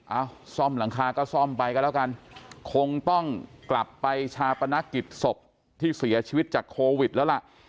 ซ่อมหลังคาก็ซ่อมไปก็แล้วกันคงต้องกลับไปชาปนกิจศพที่เสียชีวิตจากโควิดแล้วล่ะ